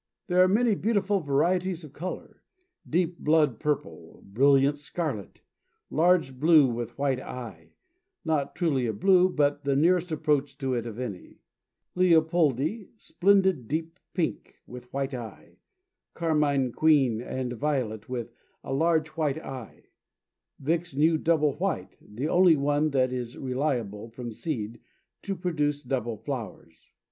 There are many beautiful varieties of color; deep blood purple, brilliant scarlet, large blue with white eye, not truly a blue, but the nearest approach to it of any; Leopoldii, splendid deep pink, with white eye; Carmine Queen and Violet with a large white eye; Vick's New Double White, the only one that is reliable, from seed, to produce double flowers.